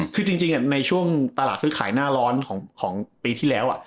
คือจริงในช่วงตลาดซื้อขายหน้าร้อนของปีที่แล้ว